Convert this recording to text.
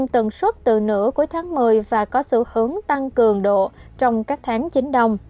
gia tăng tần suất từ nửa cuối tháng một mươi và có xu hướng tăng cường độ trong các tháng chín đông